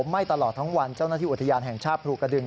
ไหม้ตลอดทั้งวันเจ้าหน้าที่อุทยานแห่งชาติภูกระดึง